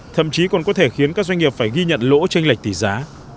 thậm chí còn có thể khiến các doanh nghiệp phải ghi nhận lỗ tranh lệch tỷ giá